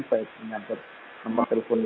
baik menganggap nomor telepon satu ratus dua puluh tiga